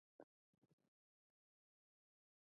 زما دېرش کاله کېږي چې په دې برخه کې زیار باسم